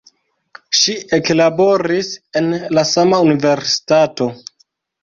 Ŝi eklaboris en la sama universitato.